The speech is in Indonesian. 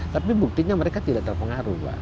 tapi buktinya mereka tidak terpengaruh pak